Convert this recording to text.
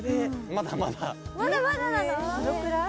まだまだなの？